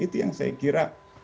itu yang saya kira menjadi lemah